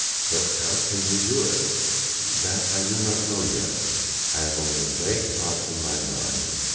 "But how can you do it?" "That I do not know yet; I have only vague thoughts in my mind.